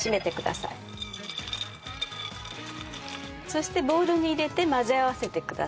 そしてボウルに入れて混ぜ合わせてください。